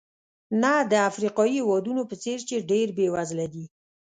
نه د افریقایي هېوادونو په څېر چې ډېر بېوزله دي.